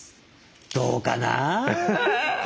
どうかな？